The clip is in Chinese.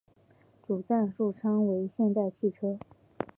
主赞助商为现代汽车。